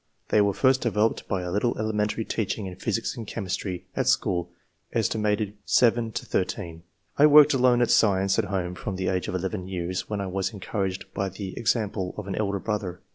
They were first developed by a little elementary teaching in physics and chemistry, at school, set. 7 13. I worked alone at science at home, from the age of 11 years, where I was encouraged by the example of an elder brother.